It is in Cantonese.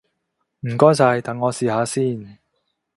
唔該晒，等我試下先！